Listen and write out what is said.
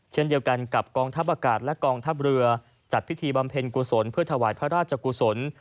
เช่นเดียวกันกับกองทัพอากาศและกองทัพเรือจัดพิธีบำเพ็ญกุศลเพื่อถวายพระราชกุศล